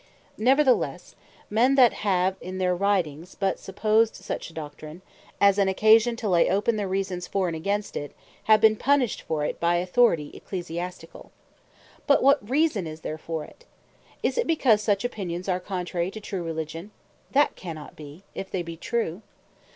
Neverthelesse, men that have in their Writings but supposed such Doctrine, as an occasion to lay open the reasons for, and against it, have been punished for it by Authority Ecclesiasticall. But what reason is there for it? Is it because such opinions are contrary to true Religion? that cannot be, if they be true.